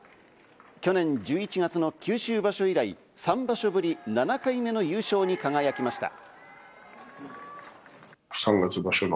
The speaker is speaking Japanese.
去年１１月の九州場所以来、３場所ぶり７回目の優勝に輝きました。